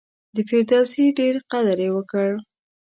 د فردوسي ډېر قدر یې وکړ.